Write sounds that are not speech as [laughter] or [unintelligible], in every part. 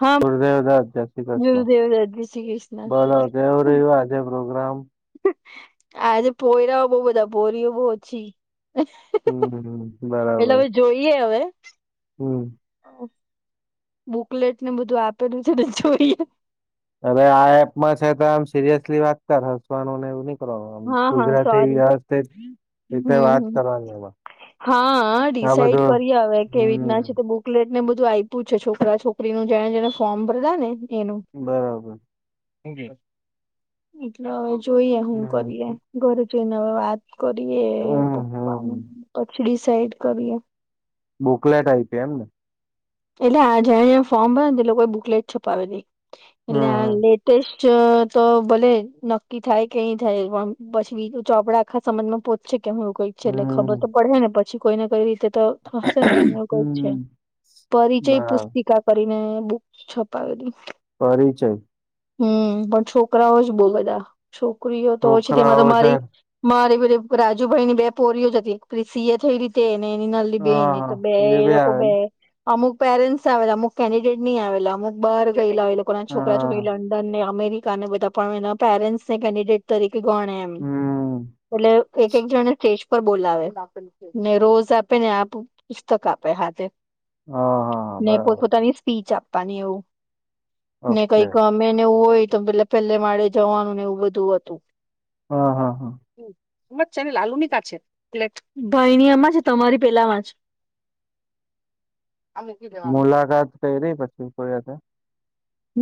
હા ગુરુદેવ દાસ જય શ્રી કૃષ્ણ ગુરુદેવ દત્ત, જય શ્રી કૃષ્ણ બોલો દેવ રહ આજે ગ્રુ આજે પોયરાઓ બો બધા ભોરીઓ બો ઓછી હમ એટલે બરાબર હવે જોઈએ હવે હમ બુકલેટ ને બધું આપેલું છે ને જોઈએ અરે આ એપમાં છે તો આમ સિરિયસલી વાત કર હસવાનું નઈ એવી રી આમ હા હા ગુજરાતી સોરી વાત જ હમ હમ કરવાની એમા હા ડિસાઈડ કરીએ અવે કેવી રીતના હમ છે તે બુકલેટ મે બધું આયપુ છે છોકરા છોકરીનું જેને જેને ફોર્મ ભરેલા ને બરાબર હું કે એટલે હવે જોઈએ હું કરીએ હમ ઘરે જઈને હવે વાત કરીએ હમ પપ્પા હમ પછી ડિસાઈડ કરીએ બુકલેટ આયપી એમ ને એટલે આ જ્યાં ફોર્મ ભરે ને તે લોકો બુકલેટ છુપાવેલી એટલે આ હમ લેટેસ્ટ જો તો ભલે નક્કી થાય કે નહી થાય પણ પછી બીજું ચોપડા આખા સમાજમાં પોહોચશે કેમ એ કઈક છે એટલે ખબર હમ તો પડહે ને પછી કોઈ ને કોઈ રીતે તો થશે ને એવું કઈક છે. હમ પરિચય બરાબર પુસ્તિકા કરીને બુક છપાવેલી પરિચય હમ પણ છોકરાઓ જ બોલે તા છોકરીઓ છે છોકરાઓ તમારા મારી વધારે મારી રાજુભાઈ ની બે પોરીઓ જ હતી પપેલી સિ એ થયલી તે ને એની નાનલી બેન હા એક હા બ એ બી લોકો બ આવે ને અમુક પેરેન્ટ્સ આવેલા અમુક કેન્ડિડેટ ની આવેલા અમુક બાર ગેયલા એ લોકો ના છોકરા હા છોકરી લંડન ને આ મેરિકને બધા પણ એના પેરેન્ટસને કેન્ડિડેટ તરી કોણ એમ હમ એટલે એક એક જણે સ્ટેજ પર બોલાવે ને રોજ આપે ને આપ પુસ્તક આપે હાથે હા હા ને બરાબર પોતપોતાની સ્પીચ આપવાની એવું ને ઓકે કઈ ગમે ને એવું હોય તો પે પેલે માળે જવાનું ને એવું બધું હતું હા હા હા મજ છે ને લાલુની કા છે લે ભાઈની આમાં છે તમારી પેલામાં છે [inaudible] મુલાકાત કયરી [inaudible]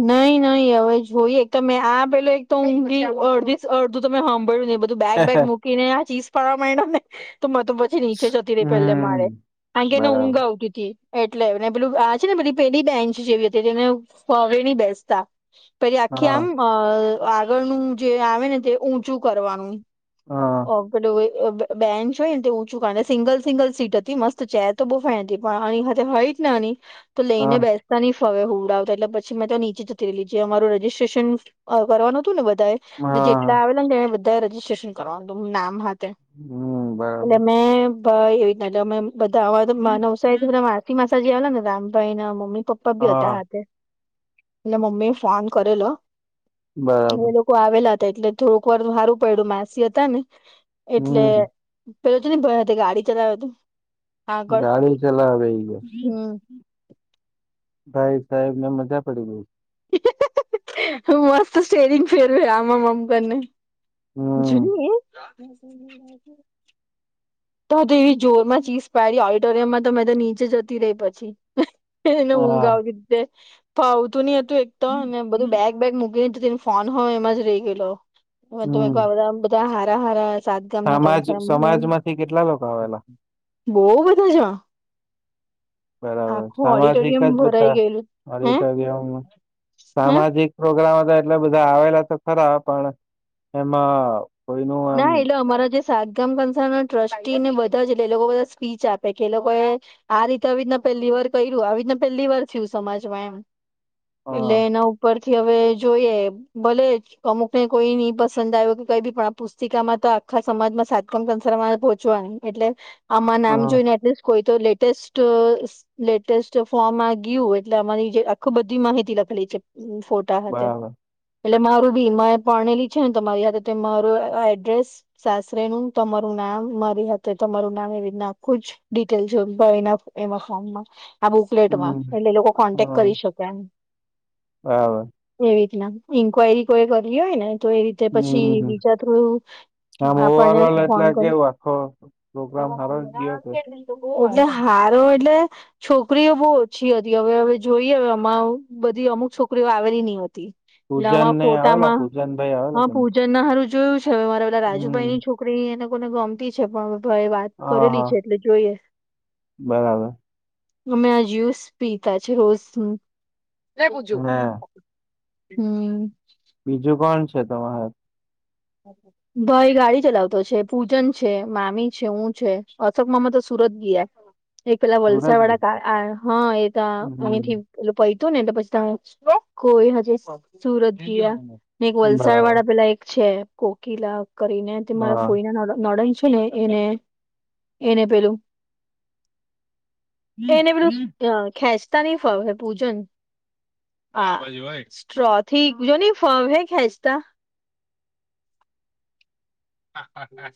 નઈ નઈ હવે જોઈએ એક મેં આ પેલો એક તો ઊંઘી અડધી અડધું તમે હાંભળ્યું ને બ ધું બાગ બેગ મૂકીને આ ચીઝ પાડવા મયન્ડા ને તો પતું તછી નીચે જતી રહી પેલે હમ માળે કારણ કે એને ઊંઘ બરાબર આવતી તી એટલે ને પેલું આ છે ને પેલી પેઢી બેન્ચ જેવી હતી તેને ફડી ની બેસતા પેલી આખી હા આમ અ આગળનું જે આવે ને તે ઊંચું કરવાનું હા ઓ પેલું બેન્ચ હોય ને તે ઉંચુ સિંગલ સિંગલ સીટ હતી મસ્ત ચેર તો બો ફાઇતી પણ આની હાથે હોય આની તો હા લઈને બેસતાની હવે હુંડાવતા એટલે પછી મેં તો નીચે જતી રેલી જે અમારુ રજીસ્ટ્રેશન આ કરવાનું હતું ને હતું વ [unintelligible] તો હા જેટલા આવેલા ને એ બધા રજીિસ્ટ્રેશન કરવાનું નામ હા એટલે હમ બરાબર એટલે પા એવી રીતના તમે બધા આવા તો મા નવસારીથી બધા મારતી માસાજી આવેલા ને રામભાઈ ના મમ્મી પપ્પા બી હતા હા હાથે. એટલે મમ્મી ફોન કરેલો એ બરાબર લોકો આવેલા એટલે થોડુંક વાર હારુ પડ્યું માસી હતા ને એટલે હમ પેલો તો ની ભરાતે ગાડી ચલાવે તે આગળ ગાડી ચલાવે ઈ ગયો. હમ્મ. ભાઈ સાહેબ ને મજા પડી ગઇ. હેહેહેહે મસ્ત સ્ટેરિંગ ફેરવે આમ આમ કરનેન. હમ [unintelligible] તો એવી જોર માં ચીસ પડી ઓડિટોરિયમમાં તો મેં તો નીચે જતી રહી પછી એને ઊંઘ હા આવતી તી ને. ફાવતું ની હતું એક તો અમે બધું બેગ બેગ મૂકીને ફોન હોય એમાં જ રહી ગયેલો. બધું મેં હમ કીધું આ બધા બધા હારા હારા સાત ગામના સમાજ કન્ફર્મ સમાજમાંથી કેટલા લોકો આવેલા? બોવ બધા જણ બરાબર સામાજિક ઓડિટોરિયમ જ ભરાઈ ગયેલું હે બધા [unintelligible] હે સામાજિક પ્રોગ્રામ તો એટલે બધા આવેલા તો ખરા પણ એમાં કોઈનું આમ ના એટલે અમારા જે સાગામ કંસ ટ્રસ્ટી ને બધા જ એટલે એ લોકો બધા સ્પીચ આપે કે એ લોકો એ આ રીતે આવી રીતના પહેલી વાર કર્યું આવી રીતના પહેલી વાર થયું સમાજમાં એમ એટલે એના ઉપરથી હવે જોઈએ ભલે અમુક ને કોઈ ની પસંદ આવ્યો કે કઈ પણ [inaudible] તિકામાં તો આખા સમાજમાં સાતકણ સંસારમાં પહોચવા ન એટલે આમાં હ નામ હ જોઈને એટલે કોઈ તો લેટેસ્ટ લેટેસ્ટ ફોર્મ આ ગયું એટલે અમારી જે આખું બધી માહિતી લખેલી છે. હમ ફોટા હાથે. બરાબર એટલે મારું ભી મેં પરણેલી છે ને તોરી હાથે થઈ મારું- એડ્રેસ સાસરી નું, તમારું નામ મારી હાથે તમારું નામ એવી રીતે આખું જ ડિટેલ જો ભાઈ ના એના એમાં ફોમમાં આ બુકલેટમાં હમ એટલે લોકો કોન્ટેક કરી શકે એમ હા ઇન્કવાયરી કોઈ કરી હોય ને તો એ રીતે પછી હમ બીજા થ્રુ આમ ઓવર આપને ઓલ એટલે કોણ કોણ કેવું આખો પ્રોગ્રામ હારો જ ગયો [unintelligible] કે એટલે હારો એટલે છોકરીઓ બહુ ઓછી હતી. હવે હવે જોઈએ હવે આમાં બધી અમુક છોકરીઓ આવેલી ની હતી એટલે પૂજન હ ને આવેલા ફોટામાં પૂજન હા ભાઈ આવેલા અમારા કે નઈ? પૂજન ના હારુ જોયું છે હવે મારા ઓલા રાજુભાઈ ની હમ છોકરી એ લોકોને ગમતી છે પણ ભાઈએ વાત હા કરેલી હા છે એટલે જોઈએ. બરાબર અમે આ જ્યુસ પીતા છે રોજ હા હમ બીજું કોણ છે તમારે ભાઈ ગાડી ચલાવતો છે. પૂજન છે મામી છે હું છે અશોક મામા તો સુ સુરત ગયા. એ પેલા સુરજ વલસાડ ભાઈ? વાળા હા. એ તા અહીં થી હમ [unintelligible] હતું નેટલે પછી તા [unintelligible] [unintelligible] સુરત ગયા ને એક વલસાડ બરાબર વાળા પેલા એક છે કોકિલા આમ કરીને તે મારા હા ફોઈના ન નડન એલે એને એને પેલું એને પેલું આ ખેંચતા નહીં ફાવે પૂજન. હા સ્ટ્રોરી જો ની ફાવે ખેંચતા.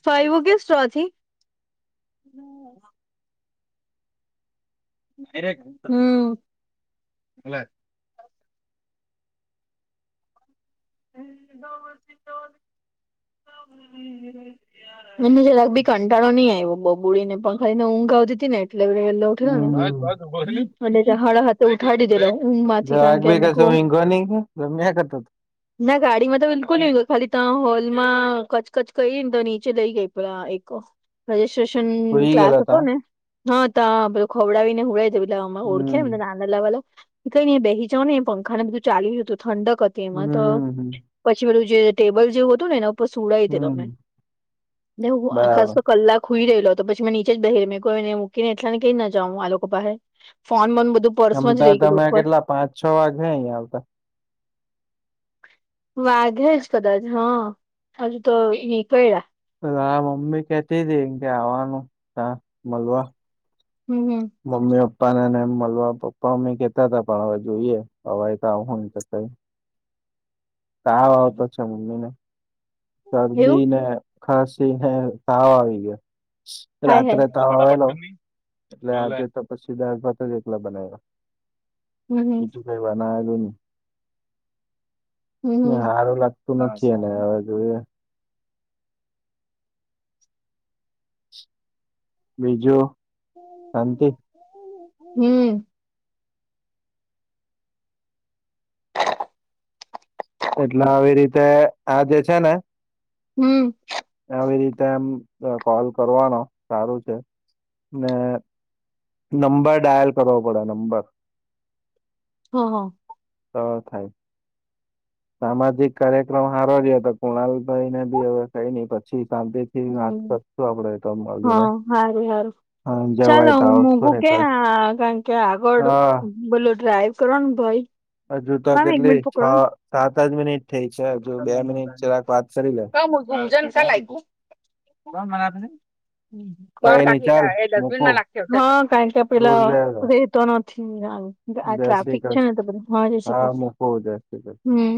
ફાઈવો કે સ્ટ્રોથી. હમ્મ. [inaudible] મને જરાક ભી કંટાળો નઈં આવ્યો બબુળડીને પંખાડીને ઊંઘ આવતી હતી ને. એટલે ઉઠે અને હમ હળ હા ઉઠાડીી દે. [unintelligible] ના ગાડીમાં તો બિલકુલ નહી ગય ખાલી ત હોલમાં કચકચ કરીઈને તો નીચે લઈ ગઈ પ એક રજસ્ટ્રેશન સુઈ ક્લાસ ગયેલા હતો તા ને હા તધ ખવડાવીને હડ વામાં ઓળખે હમ એમને નાના લાવવા લઈને બેહી જાવ ને એ પંખાને બધું ચા્યુંય હત તો ઠંડક એમાં તો હમ પછી પેલું જે ટેબલ જેવું હતું નેને સુડઈ હતી તમે હમ ને હું ખાસ બરાબર તો કલાક હુઈ રહેલો તો પછીં નીચે જ બેહીરઈ મેકુ મૂકીને એટલા કઈ ન જાવં આ લોકો પાસે ફોન બન આમ તો તમે કેટલા પાંચ છ વાગે અં આવતા. વાઘે જ કદાચ હા હજુ તો ક હા મમ્મી કેતી હતી એમ કે આવવાનું ત મળવા હમ હમ મમ્મી પપ્પા નેમ મળલવા પપ્પા મમ્મી કેતા હતા પણ હવે જોઈએ હવે એ તો આવું કઈ તાવ આવતો છે મમ્મી ને એવું શરદી ને ખાસી હે તાવ આવી ગયા. હાય હાય રાત્રે ત આવેલો ન એટલે આજે તો પછી દાળ ભાત એકલા બનાવ્યા હમ બીજું કાંઈ હમ [unintelligible] સારું લાગતું નથી એને હવે જોઈએ. બીજું શાંતિ? હમ. એટલે આવી રીતે આ જે છે ને હમ. આવી રીતે એમ કોલ કરવાનો સારું છે. ને નંબર ડાયલ કરવો પડે નંબર હા હા. તો થાય. સામાજિક કાર્યક્રમ હારો ગ્યો હતો કુણાલ ભાઈ ને બી હવે કઈ ન પછી. શાંતિ થી વાત હમ કરશું આપડે તો મળીને હા સાર સારું. હા ચાલો જવાય તો હું આવશું મોઘું ને કે તો કારણ કે આગળડું હા બોલું ડ્રાઈવ કરવાનું ભાઈ. હજુ તો મામી એક કેટલી મિનિટ છ પકડો ને સાતજ મિનિટ થઈ છે હજુ બે મિનિટ ચરાક વાતશે [unintelligible] [unintelligible] આ કઈ નઈ ચાલ મૂકું દૂર જય જય શ્રી ટ્રાફિક છે ને કૃષ્ણ તો બધું જ હા મૂકું જય શ્રી કૃષ્ણ હમ